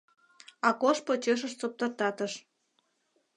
Акош почешышт соптыртатыш.